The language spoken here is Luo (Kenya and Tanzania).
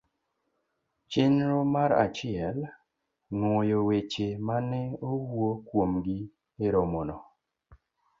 Chenro mar achiel. Nwoyo weche ma ne owuo kuomgi e romono